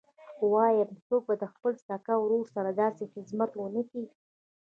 وايم څوک به د خپل سکه ورور داسې خدمت ونه کي.